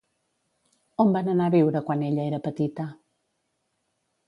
On van anar a viure quan ella era petita?